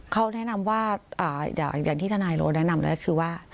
เขาแนะนำว่าอย่างที่ทนายโรแนะนำแล้วคือว่า